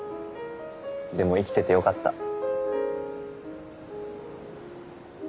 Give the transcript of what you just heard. でも生きててよかった。